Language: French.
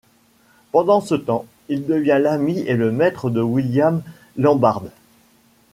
Pendant ce temps, il devient l’ami et le maître de William Lambarde.